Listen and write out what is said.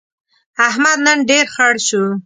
احمد نن ډېر خړ شو.